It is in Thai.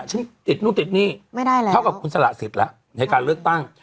ฉันติดนู่นติดนี่เท่ากับคุณสละสิทธิ์ละในการเลือกตั้ง